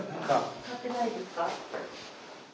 変わってないですか？